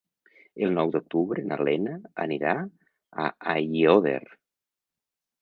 El nou d'octubre na Lena anirà a Aiòder.